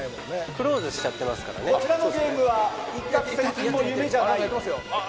クローズしちゃってますからねこちらのゲームは一獲千金も夢じゃないあ